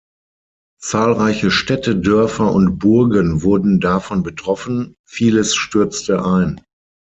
Zahlreiche Städte, Dörfer und Burgen wurden davon betroffen, vieles stürzte ein.